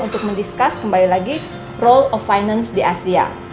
untuk mendiskus kembali lagi role of finance di asia